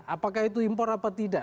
apakah itu impor apa tidak